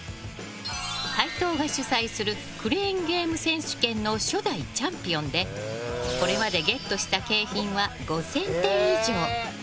タイトーが主催するクレーンゲーム選手権の初代チャンピオンでこれまでゲットした景品は５０００点以上。